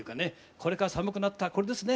これから寒くなったらこれですね。